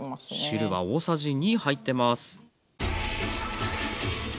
汁が大さじ２入ってます。